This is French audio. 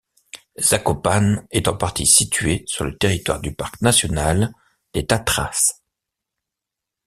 Zakopane est en partie située sur le territoire du parc national des Tatras.